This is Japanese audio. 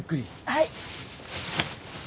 はい。